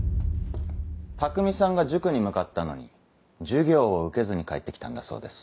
匠さんが塾に向かったのに授業を受けずに帰って来たんだそうです。